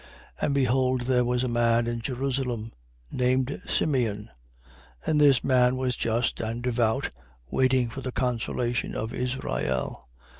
And behold there was a man in Jerusalem named Simeon: and this man was just and devout, waiting for the consolation of Israel.